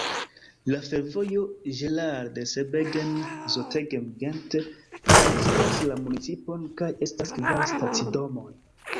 La fervojo Geraardsbergen-Zottegem-Gent transiras la municipon kaj estas kvar stacidomoj.